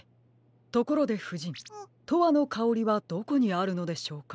ところでふじん「とわのかおり」はどこにあるのでしょうか。